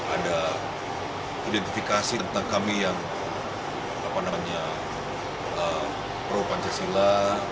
ada identifikasi tentang kami yang pro pancasila